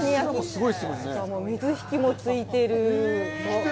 水引もついてる。